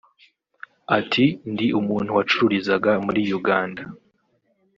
Ati “Ndi umuntu wacururizaga muri Uganda